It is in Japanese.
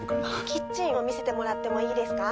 キッチンを見せてもらってもいいですか？